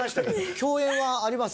共演はあります？